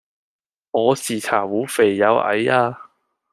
我是茶壺肥又矮呀